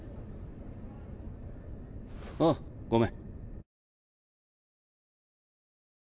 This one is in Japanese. あっごめん。